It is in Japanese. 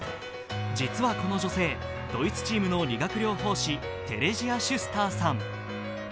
実はこの女性、ドイツチームの理学療養士、テレジア・シュスターさん。